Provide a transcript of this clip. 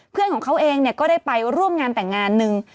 เพื่อนของเขาเองก็ได้ไปร่วมงานแต่งงานหนึ่ง